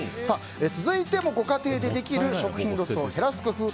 続いてもご家庭でできる食品ロスを減らす工夫。